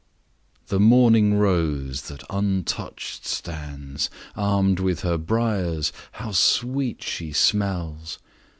The morning rose that untouch'd stands Arm'd with her briers, how sweet she smells!